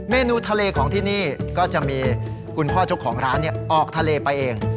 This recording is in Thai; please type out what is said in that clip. เมนูทะเลของที่นี่ก็จะมีคุณพ่อเจ้าของร้านออกทะเลไปเอง